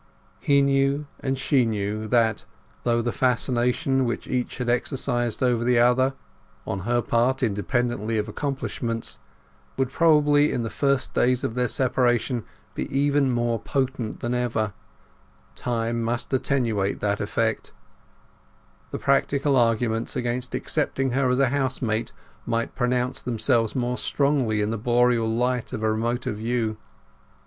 He knew, and she knew, that, though the fascination which each had exercised over the other—on her part independently of accomplishments—would probably in the first days of their separation be even more potent than ever, time must attenuate that effect; the practical arguments against accepting her as a housemate might pronounce themselves more strongly in the boreal light of a remoter view.